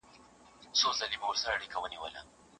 له یوه اړخه پر بل را اوښتله